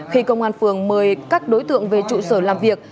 khi công an phường mời các đối tượng về trụ sở làm việc